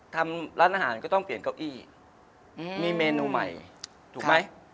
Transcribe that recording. ทำร้านอาหารก็ต้องเปลี่ยนเก้าอี้มีเมนูใหม่ถูกไหม